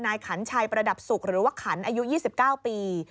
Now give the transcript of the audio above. นายขัญชัยประดับสุขหรือว่าขัญอายุ๒๙ปี